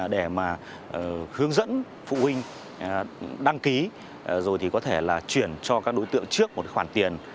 để mà hướng dẫn phụ huynh đăng ký rồi thì có thể là chuyển cho các đối tượng trước một khoản tiền